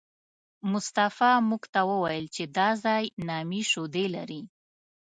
مصطفی موږ ته وویل چې دا ځای نامي شیدې لري.